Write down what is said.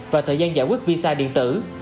và thời gian giải quyết visa điện tử